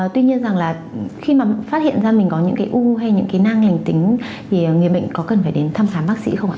tuy nhiên rằng là khi mà phát hiện ra mình có những cái u hay những kỹ năng lành tính thì người bệnh có cần phải đến thăm khám bác sĩ không ạ